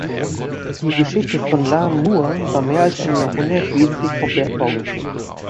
Die Geschichte von La Mure war mehr als ein Jahrhundert wesentlich vom Bergbau geprägt.